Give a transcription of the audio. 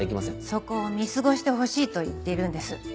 そこを見過ごしてほしいと言ってるんです。